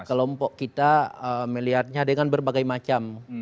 karena kelompok kita melihatnya dengan berbagai macam